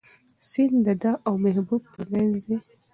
سیند د ده او محبوب تر منځ دی.